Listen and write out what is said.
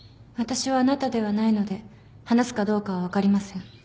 私はあなたではないので話すかどうかは分かりません。